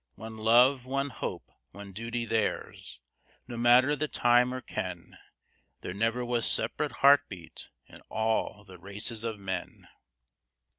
One love, one hope, one duty theirs! No matter the time or ken, There never was separate heart beat in all the races of men!